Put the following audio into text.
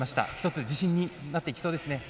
１つ自信になっていきそうですね。